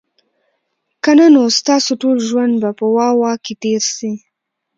که نه نو ستاسو ټول ژوند به په "واه، واه" کي تیر سي